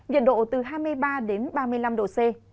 nhiệt độ từ hai mươi ba đến ba mươi năm độ c